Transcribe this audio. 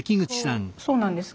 そうなんです。